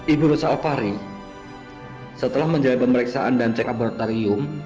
ibu rossa afari setelah menjalin pemeriksaan dan cek aborterium